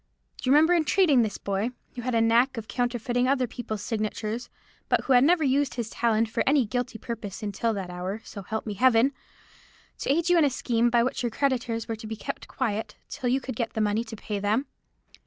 Do you remember entreating this boy—who had a knack of counterfeiting other people's signatures, but who had never used his talent for any guilty purpose until that hour, so help me Heaven!—to aid you in a scheme by which your creditors were to be kept quiet till you could get the money to pay them?